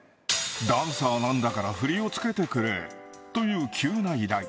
ダンサーなんだから振りを付けてくれという急な依頼。